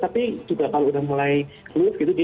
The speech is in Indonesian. tapi juga kalau sudah mulai luwus gitu